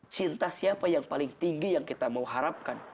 cinta siapa yang paling tinggi yang kita mau harapkan